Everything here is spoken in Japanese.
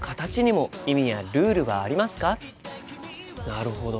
なるほど。